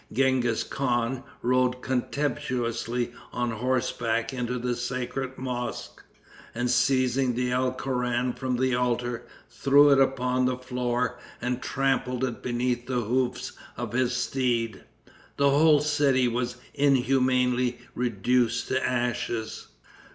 Genghis Khan rode contemptuously on horseback into the sacred mosque, and seizing the Alcoran from the altar, threw it upon the floor and trampled it beneath the hoofs of his steed. The whole city was inhumanly reduced to ashes.